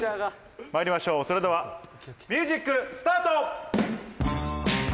まいりましょうそれではミュージックスタート！